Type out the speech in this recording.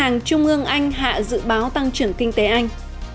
ngân hàng trung ương anh hạ dự báo tăng trưởng kinh tế anh